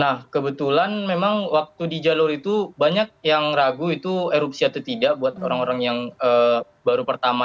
nah kebetulan memang waktu di jalur itu banyak yang ragu itu erupsi atau tidak buat orang orang yang baru pertama